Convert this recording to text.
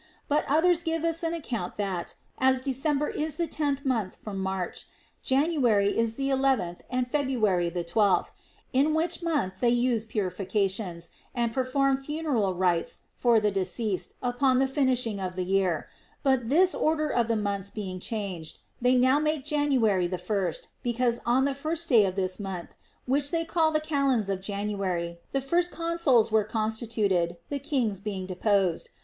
But others give us an account that, as 214 THE ROMAN QUESTIONS. December is the tenth from March, January is the eleventh and February the twelfth ; in which month they use purifi cations, and perform funeral rites for the deceased upon the finishing of the year ; but this order of the months being changed, they now make January the first, because on the first day of this month (which day they call the Kalends of January) the first consuls were constituted, the kings being deposed.